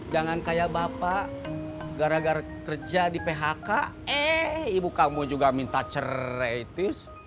jangan kayak bapak gara gara kerja di phk eh ibu kamu juga minta ceraitis